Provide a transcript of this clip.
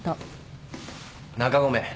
中込。